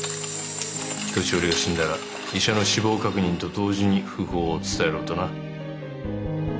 年寄りが死んだら医者の死亡確認と同時に訃報を伝えろとな。